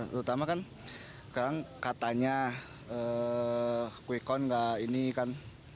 terutama kan kadang katanya kwekon gak ini kan